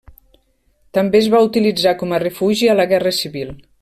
També es va utilitzar com a refugi a la Guerra Civil.